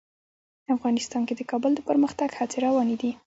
افغانستان کې د کابل د پرمختګ هڅې روانې دي.